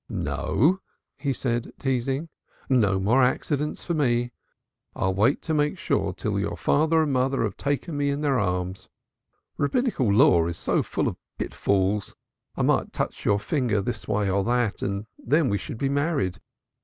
"No," he said, teasingly. "No more accidents for me! I'll wait to make sure till your father and mother have taken me to their arms. Rabbinical law is so full of pitfalls I might touch your finger this or that way, and then we should be married.